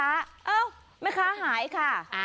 เอ้าแม่ค้าหายค่ะ